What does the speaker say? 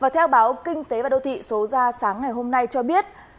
theo báo kinh tế và đô thị số ra sáng ngày hôm nay cho biết